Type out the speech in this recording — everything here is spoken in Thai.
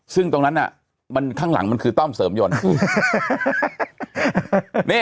ซึ่งตรงนั้นมันข้างหลังมันคือต้อมเสริมยนต์